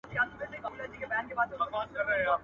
هغه یرغمل نیول شوي کسان خوندي کړل